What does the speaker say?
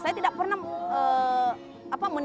saya tidak pernah mendapatkan seperti pencerahan bagaimana